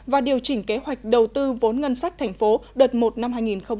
và điều chỉnh kế hoạch đầu tư vốn ngân sách tp đợt một năm hai nghìn hai mươi